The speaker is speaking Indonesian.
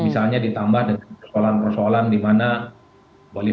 misalnya ditambah dengan persoalan persoalan di mana waliho jokowi ada prabowo subianto dan sebagainya